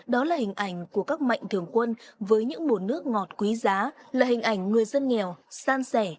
đó là hình ảnh của các mạnh thường quân với những bồn nước ngọt quý giá là hình ảnh người dân nghèo san sẻ